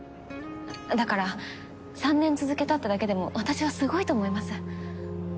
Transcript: だから３年続けたってだけでも私はすごいと思います。